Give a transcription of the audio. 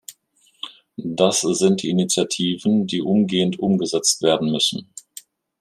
Das sind die Initiativen, die umgehend umgesetzt werden müssen.